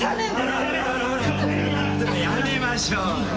やめましょうよ。